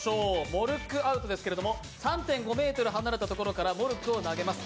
モルックアウトですけれども３．５ｍ離れたところからモルックを投げます。